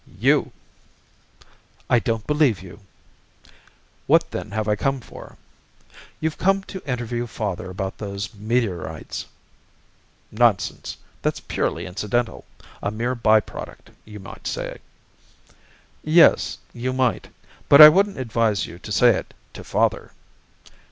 "You!" "I don't believe you." "What then have I come for?" "You've come to interview father about those meteorites." "Nonsense! That's purely incidental a mere by product, you might say." "Yes, you might but I wouldn't advise you to say it to father."